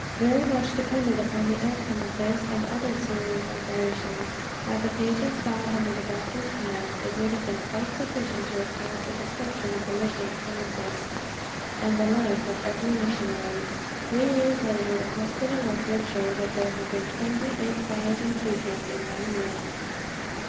Very much depended upon the outcome of this and other serious operations. Had the patients died under the doctor's hands, it would have been quite sufficient to have caused the destruction of the mission premises and the life of every missionary. Three years later the hospital records showed that there had been twenty eight thousand treatments in one year.